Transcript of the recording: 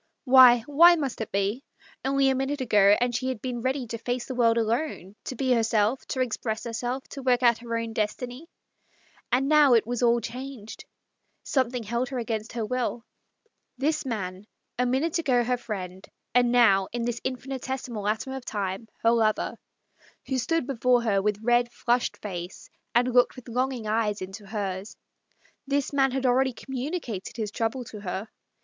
Why, why must it be ? Only a minute ago and she had been ready to face the world alone, to be herself, to express herself, to work out her own destiny. And now it was all changed. Something held her against her will. The demands of the flesh clamoured louder than those of the spirit. This man — a minute ago her friend, and now, in this infinitesimal atom of time, her lover, who stood before her with red, flushed face, and looked with longing eyes into hers — this man had already communicated his trouble to her.